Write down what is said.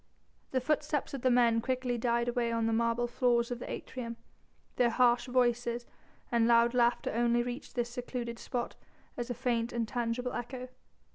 The footsteps of the men quickly died away on the marble floors of the atrium, their harsh voices and loud laughter only reached this secluded spot as a faint, intangible echo.